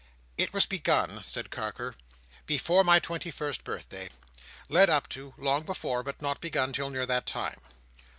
"It was begun," said Carker, "before my twenty first birthday—led up to, long before, but not begun till near that time.